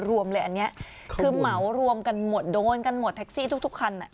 รวมเลยอันนี้คือเหมารวมกันหมดโดนกันหมดแท็กซี่ทุกคัน